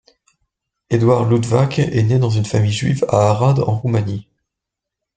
Edward Luttwak est né dans une famille juive à Arad, en Roumanie.